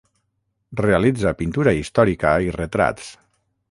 Realitza pintura històrica i retrats.